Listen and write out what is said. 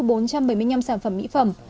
bốn trăm bảy mươi năm sản phẩm mỹ phẩm